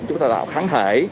chúng ta đạo kháng thể